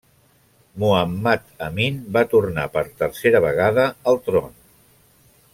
Muhammad Amin va tornar per tercera vegada al tron.